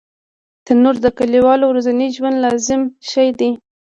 تنور د کلیوالو ورځني ژوند لازم شی دی